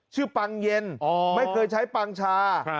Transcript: ปังเย็นไม่เคยใช้ปังชา